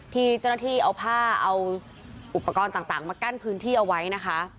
ที่เจ้าหน้าที่เอาผ้าเอาอุปกรณ์ต่างมากั้นพื้นที่เอาไว้นะคะ